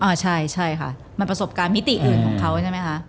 อ่าใช่ใช่ค่ะมันประสบการณ์มิติอื่นของเขาใช่ไหมคะ